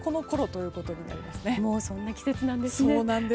もうそんな季節なんですね。